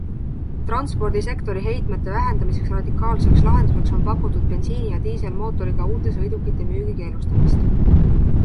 Transpordisektori heitmete vähendamise radikaalseks lahenduseks on pakutud bensiini- ja diiselmootoriga uute sõidukite müügi keelustamist.